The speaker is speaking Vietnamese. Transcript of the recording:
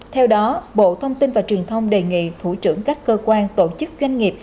theo đó bộ thông tin và truyền thông đề nghị thủ trưởng các cơ quan tổ chức doanh nghiệp